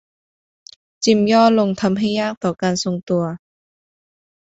จิมย่อลงทำให้ยากต่อการทรงตัว